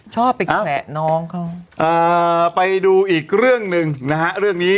ชอบไปแขวะน้องเขาไปดูอีกเรื่องหนึ่งนะฮะเรื่องนี้